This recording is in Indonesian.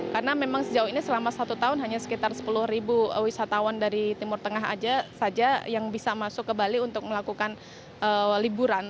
karena memang sejauh ini selama satu tahun hanya sekitar sepuluh wisatawan dari timur tengah saja yang bisa masuk ke bali untuk melakukan liburan